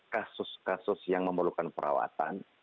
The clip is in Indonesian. kasus kasus yang memerlukan perawatan